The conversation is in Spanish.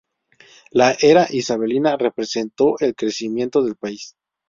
La era isabelina representó el crecimiento del país.